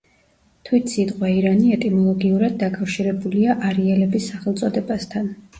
თვით სიტყვა ირანი ეტიმოლოგიურად დაკავშირებულია არიელების სახელწოდებასთან.